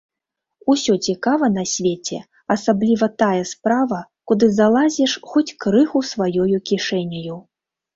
Усё цікава на свеце, асабліва тая справа, куды залазіш хоць крыху сваёю кішэняю.